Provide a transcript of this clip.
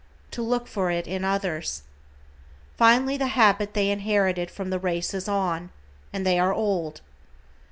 To look for it in others. Finally the habit they inherited from the race is on, and they are old.